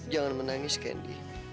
jangan menangis candy